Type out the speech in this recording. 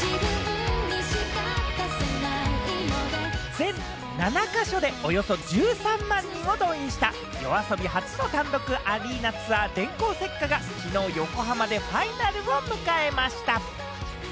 全７か所でおよそ１３万人を動員したＹＯＡＳＯＢＩ初の単独アリーナツアー「電光石火」がきのう横浜でファイナルを迎えました。